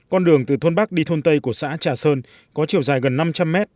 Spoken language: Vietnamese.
con đường từ thôn bắc đi thôn tây của xã trà sơn có chiều dài gần năm trăm linh mét